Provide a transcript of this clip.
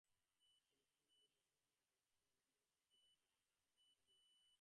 শুভসংবাদে অভিনন্দন প্রকাশ করা বন্ধুবান্ধবের কর্তব্য–তাহাই পালন করিতে গিয়াছিলাম।